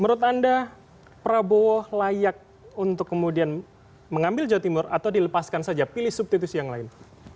menurut anda prabowo layak untuk kemudian mengambil jawa timur atau dilepaskan saja pilih substitusi yang lain